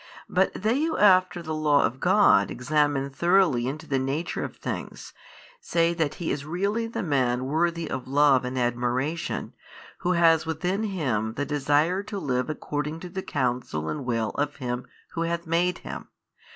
But they who after the law of God examine thoroughly into the nature of things say that he is really the man worthy of love and admiration, who has within him the desire to live according to the counsel and will of Him Who hath made him.